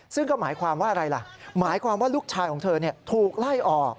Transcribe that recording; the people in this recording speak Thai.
ซึ่งก็หมายความว่าอะไรล่ะหมายความว่าลูกชายของเธอถูกไล่ออก